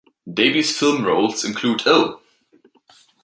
Davies' film roles include Oh!